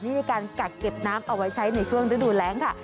ในการกักเก็บน้ำเอาไว้ใช้ในช่วงฤดูแรงค่ะ